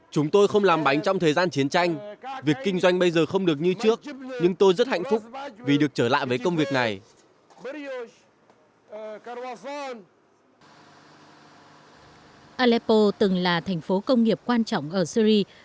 chúng tôi không làm bánh trong thời gian chiến tranh việc kinh doanh bây giờ không được như trước nhưng tôi rất hạnh phúc vì được trở lại với công việc này